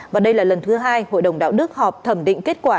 và đây là lần thứ hai hội đồng đạo đức họp thẩm định kết quả